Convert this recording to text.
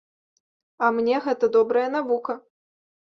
А мне гэта добрая навука.